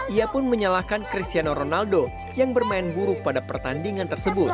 ia pun menyalahkan cristiano ronaldo yang bermain buruk pada pertandingan tersebut